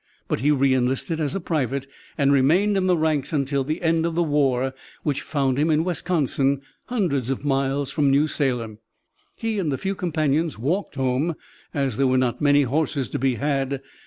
But he re enlisted as a private, and remained in the ranks until the end of the war, which found him in Wisconsin, hundreds of miles from New Salem. He and a few companions walked home, as there were not many horses to be had.